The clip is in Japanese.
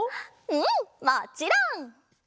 うんもちろん！